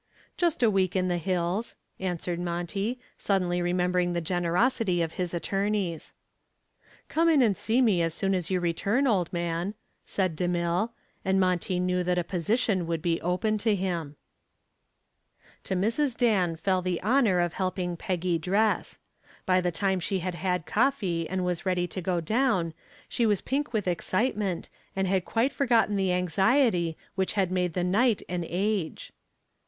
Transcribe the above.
"Just a week in the hills," answered Monty, suddenly remembering the generosity of his attorneys. "Come in and see me as soon as you return, old man," said DeMille, and Monty knew that a position would be open to him. To Mrs. Dan fell the honor of helping Peggy dress. By the time she had had coffee and was ready to go down, she was pink with excitement and had quite forgotten the anxiety which had made the night an age.